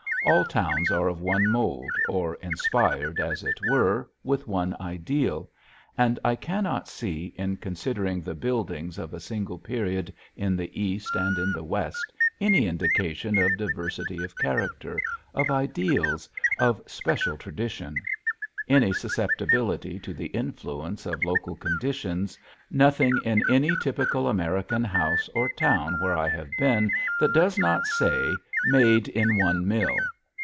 All towns are of one mold or inspired, as it were, with one ideal. And I cannot see in considering the buildings of a single period in the East and in the West any indication of diversity of character, of ideals, of special tradition; any susceptibility to the influence of local conditions, nothing in any typical American house or town where I have been that does not say "made in one mill."